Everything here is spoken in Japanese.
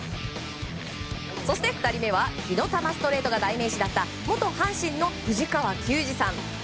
２人目は火の玉ストレートが代名詞だった元阪神の藤川球児さん。